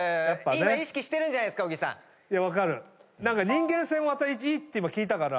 人間性もいいって聞いたから。